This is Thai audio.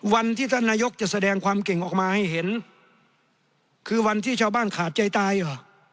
วันที่ท่านนายกจะแสดงความเก่งออกมาให้เห็นคือวันที่ชาวบ้านขาดใจตายเหรอ